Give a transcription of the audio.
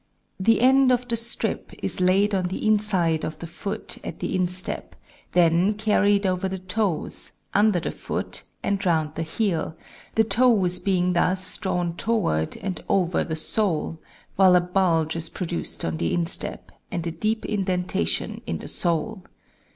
The end of the strip is laid on the inside of the foot at the instep, then carried over the toes, under the foot, and round the heel, the toes being thus drawn toward and over the sole, while a bulge is produced on the instep, and a deep indentation in the sole.